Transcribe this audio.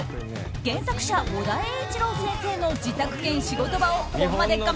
原作者・尾田栄一郎先生の自宅兼仕事場を「ホンマでっか！？」